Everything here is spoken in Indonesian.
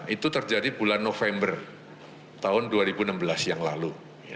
itu terjadi bulan november tahun dua ribu enam belas yang lalu